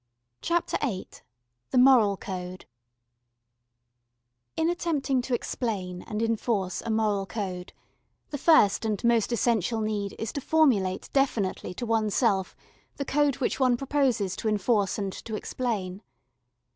CHAPTER VIII The Moral Code IN attempting to explain and enforce a moral code, the first and most essential need is to formulate definitely to oneself the code which one proposes to enforce and to explain.